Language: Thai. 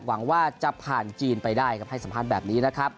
หวังว่าจะผ่านจีนไปได้ครับให้สัมภาษณ์แบบนี้นะครับ